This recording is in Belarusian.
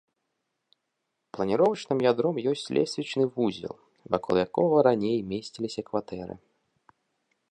Планіровачным ядром ёсць лесвічны вузел, вакол якога раней месціліся кватэры.